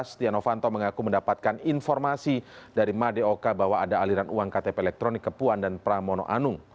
setia novanto mengaku mendapatkan informasi dari madeoka bahwa ada aliran uang ktp elektronik ke puan dan pramono anung